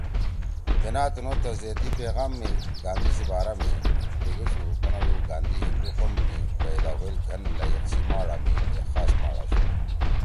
جناح تنُو تعزیتی پیغام می گاندھی سی بارا می لیگُوشُو بنَدو گاندھی ”ہندو قوم می پئیدا ہوئیل گھن لئیق سی ماݜا می ایک خاص ماݜ آشُو